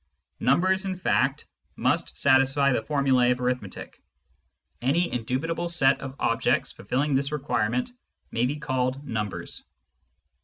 Numbers, in fact, must satisfy the formulae of arithmetic ; any indubitable set of objects fulfilling this requirement may be called numbers.